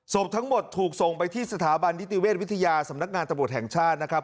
ศพทั้งหมดถูกส่งไปที่สถาบันนิติเวชวิทยาสำนักงานตำรวจแห่งชาตินะครับ